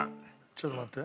ちょっと待って。